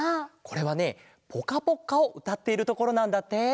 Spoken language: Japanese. これはね「ぽかぽっか」をうたっているところなんだって。